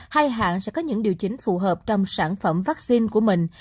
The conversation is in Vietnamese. hai hãng sẽ có những điều chỉnh phù hợp trong sản phẩm vaccine của mình